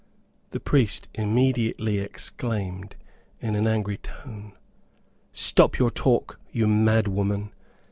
The priest immediately exclaimed, in an angry tone, "Stop your talk, you mad woman!"